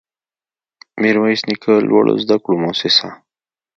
ميرويس نيکه لوړو زده کړو مؤسسه